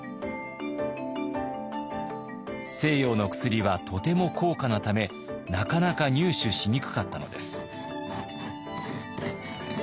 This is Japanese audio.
西洋の薬はとても高価なためなかなか入手しにくかったのです。